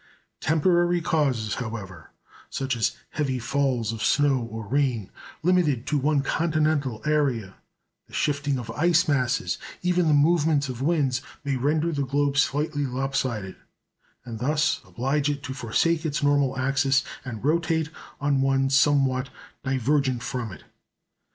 Temporary causes, however, such as heavy falls of snow or rain limited to one continental area, the shifting of ice masses, even the movements of winds, may render the globe slightly lop sided, and thus oblige it to forsake its normal axis, and rotate on one somewhat divergent from it.